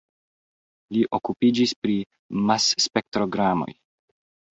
Li okupiĝis pri Mas-spektrogramoj.